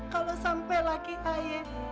kalau sampai lagi ayah